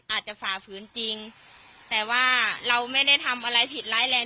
ฝ่าฝืนจริงแต่ว่าเราไม่ได้ทำอะไรผิดร้ายแรง